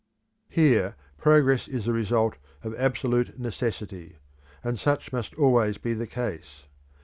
Here progress is the result of absolute necessity, and such must always be the case.